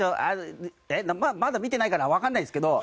まだ見てないから分かんないんですけど。